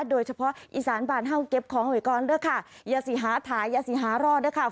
โดยเฉพาะอีสานบานฮ่าวเก็บของอย่าสิหาถายอย่าสิหาร่อนะครับ